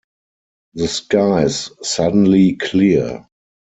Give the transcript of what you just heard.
The skies suddenly clear.